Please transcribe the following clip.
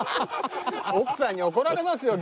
奥さんに怒られますよ。